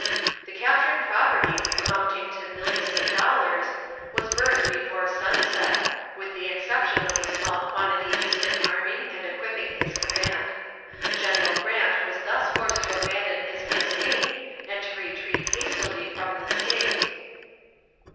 The captured property, amounting to millions of dollars, was burned before sunset, with the exception of the small quantity used in arming and equipping his command. General Grant was thus forced to abandon his campaign and to retreat hastily from the State.